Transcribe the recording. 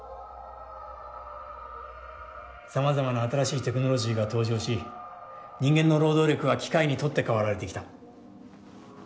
さまざまな新しいテクノロジーが登場し人間の労働力は機械に取って代わられてきた。